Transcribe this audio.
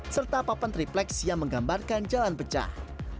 serta papan triplex yang menggambarkan jalan pecah